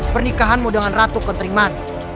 pernikahanmu dengan ratu kontrimani